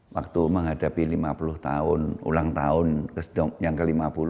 waktu menghadapi lima puluh tahun ulang tahun yang ke lima puluh